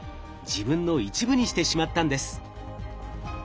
自分の一部にしてしまったんです。